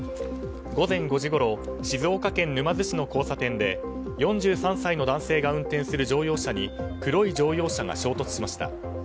午前５時ごろ静岡県沼津市の交差点で４３歳の男性が運転する乗用車に黒い乗用車が衝突しました。